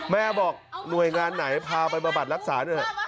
แม่บอกหน่วยงานไหนพาไปประบัติรักษาด้วย